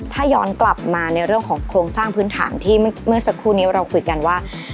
ถ้าย้อนกลับมาในเรื่องของโครงสร้างพื้นฐานที่เมื่อสักครู่นี้เราคุยกันว่า